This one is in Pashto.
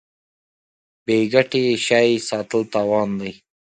بې ګټې شی ساتل تاوان دی.